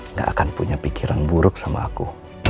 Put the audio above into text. nggak akan punya pikiran buruk sama aku